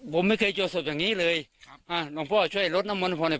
ผมไม่เคยเจ้าสวบอย่างงี้เลยครับอ่าน้องพ่อช่วยรถน้ำมนต์ผมเนี่ย